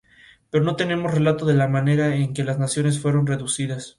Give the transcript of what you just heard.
Estas novelas se caracterizan por seguir un patrón de colores.